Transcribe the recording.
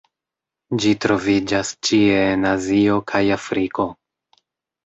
Ĝi troviĝas ĉie en Azio kaj Afriko.